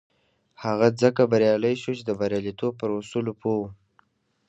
هغه ځکه بريالی شو چې د برياليتوب پر اصولو پوه و.